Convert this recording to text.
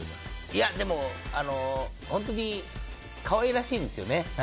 いや、本当に可愛らしいんですよね。